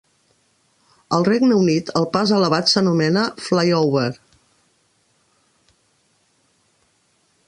Al Regne Unit, el pas elevat s'anomena "flyover".